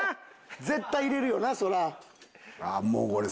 絶対入れるよなそれは。